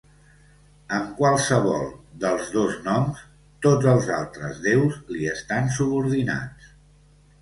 Amb qualsevol dels dos noms, tots els altres déus li estan subordinats.